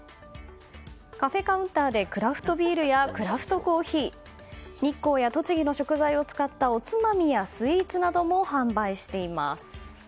カフェカウンターでクラフトビールやクラフトコーヒー日光や栃木の食材を使ったおつまみやスイーツを販売しています。